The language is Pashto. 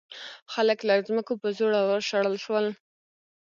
خلک له ځمکو په زوره وشړل شول.